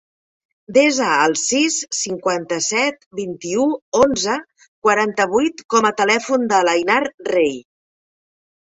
Desa el sis, cinquanta-set, vint-i-u, onze, quaranta-vuit com a telèfon de l'Einar Rey.